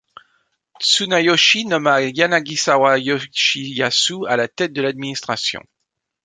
Tsunayoshi nomma Yanagisawa Yoshiyasu à la tête de l'administration.